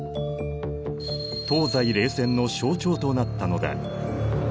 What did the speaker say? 東西冷戦の象徴となったのだ。